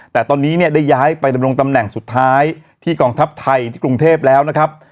แต่ตอนนี้เนี่ยได้ย้ายไปดำรงตำแหน่งสุดท้ายที่กองทัพไทยที่กรุงเทพแล้วนะครับ